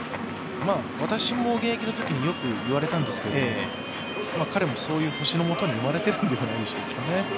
私も現役のときによくいわれたんですけど彼もそういう星のもとに生まれているんじゃないでしょうかね。